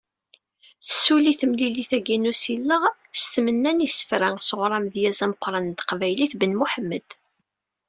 Tessuli temlilit-agi n usileɣ, s tmenna n yisefra sɣur amedyaz ameqqran n teqbaylit, Ben Muḥemmed.